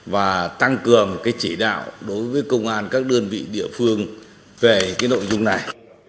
và tăng cường cái chỉ đạo đối với công an các đơn vị địa phương về cái nội dung này